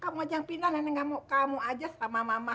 kamu aja yang pindah nenek nggak mau kamu aja sama mama